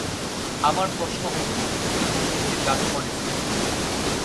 আবার প্রশ্ন হলঃ কি বস্তুতে জাদু করেছে?